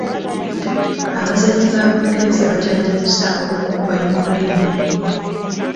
Abazanyi ba Bungereza bajaganyizza olw’okukuba Yukureyini.